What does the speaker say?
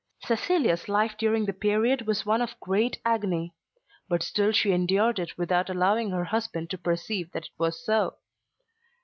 Cecilia's life during the period was one of great agony. But still she endured it without allowing her husband to perceive that it was so.